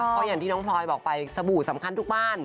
เพราะอย่างที่น้องพลอยบอกไปสบู่สำคัญทุกบ้าน